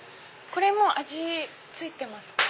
これもう味付いてますか？